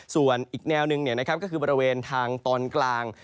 ส่วนอีกแนวหนึ่งก็คือบริเวณทางตอนกลาง